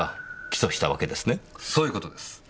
そういう事です。